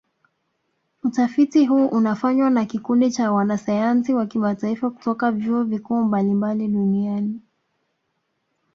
Utafiti huu unafanywa na kikundi cha wanasayansi wa kimataifa kutoka vyuo vikuu mbalimbali duniani